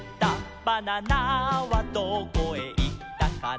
「バナナはどこへいったかな」